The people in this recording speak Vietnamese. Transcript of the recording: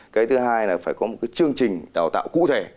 cái thứ hai là phải có một cái chương trình đào tạo cụ thể